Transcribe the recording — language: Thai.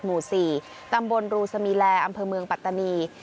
หมู่๔ตำบลรูสมีแลอำเภอเมืองปัตตานี